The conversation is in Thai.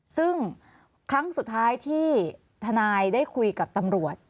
ซึ่งครั้งสุดท้ายที่ทนายได้คุยกับตำรวจ